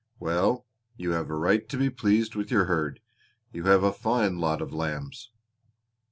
"Well, you have a right to be pleased with your herd. You have a fine lot of lambs."